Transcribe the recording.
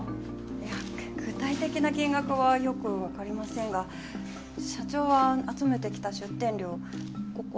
いや具体的な金額はよくわかりませんが社長は集めてきた出店料をここにしまってました。